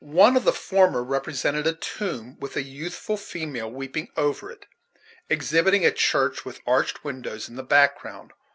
One of the former represented a tomb, with a youthful female weeping over it, exhibiting a church with arched windows in the background.